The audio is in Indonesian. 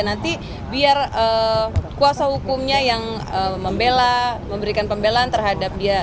nanti biar kuasa hukumnya yang membela memberikan pembelaan terhadap dia